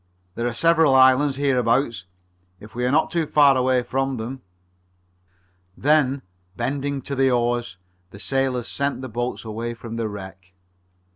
There are several islands hereabouts, if we are not too far away from them." Then, bending to the oars, the sailors sent the boats away from the wreck.